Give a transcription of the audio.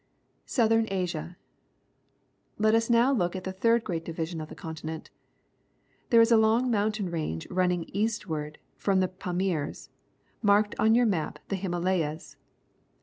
.'i) S outhern Asia .— Let us now look at the third great division of the continent. There is a long mountain range running eastward from the Pamirs, marked on j'our map the , Himaljijias.